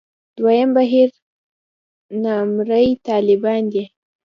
دویم بهیر نامرئي طالبان دي.